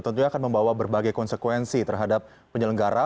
tentunya akan membawa berbagai konsekuensi terhadap penyelenggara